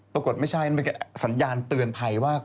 ปรากฏไม่ใช่สัญญาณเตือนภัยว่า